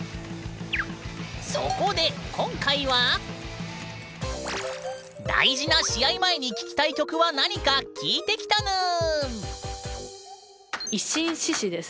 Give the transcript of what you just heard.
そこで今回は大事な試合前に聞きたい曲は何か聞いてきたぬん！